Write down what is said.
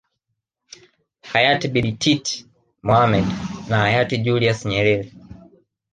Hayati bibi titi Mohamed na Hayati Julius Nyerere